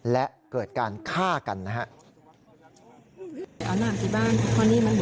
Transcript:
และเกิดการฆ่ากันนะครับ